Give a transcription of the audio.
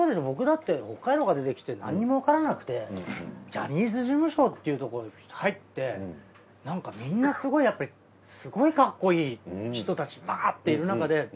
僕だって北海道から出てきてなんにもわからなくてジャニーズ事務所っていう所に入ってなんかみんなすごいやっぱりすごいかっこいい人たちバーッている中で。